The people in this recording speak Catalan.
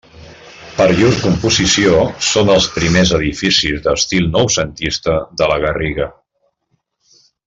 Per llur composició són els primers edificis d'estil noucentista de La Garriga.